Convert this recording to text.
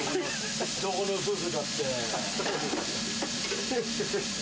どこの夫婦だって。